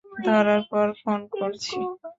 ধরার পর ফোন করছি।